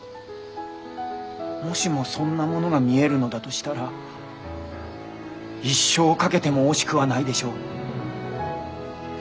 もしもそんなものが見えるのだとしたら一生を懸けても惜しくはないでしょう。